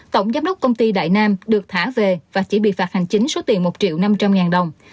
tổng giám đốc công ty đại nam được thả về và chỉ bị phạt hành chính số tiền một triệu năm trăm linh ngàn đồng